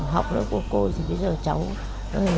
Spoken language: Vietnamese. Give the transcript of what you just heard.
học lớp của cô thì bây giờ cháu không biết nói gì